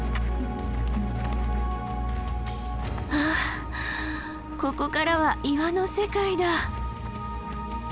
はぁここからは岩の世界だ。